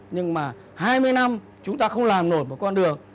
nhưng mà hai mươi năm chúng ta không làm nổi một con đường